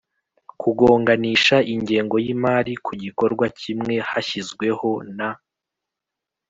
Kugonganisha ingengo y imari ku gikorwa kimwe hashyizweho na